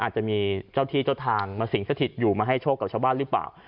อาจจะมีเจ้าที่เจ้าทางมาสิงสถิตอยู่มาให้โชคกับชาวบ้านหรือเปล่า